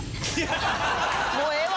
もうええわ！